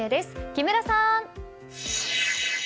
木村さん。